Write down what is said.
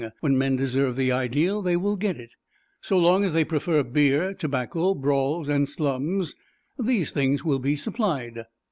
When men deserve the Ideal they will get it. So long as they prefer beer, tobacco, brawls and slums, these things will be supplied.